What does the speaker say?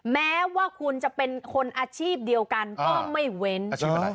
แม้ว่าคุณจะเป็นคนอาชีพเดียวกันก็ไม่เว้นใช่ไหม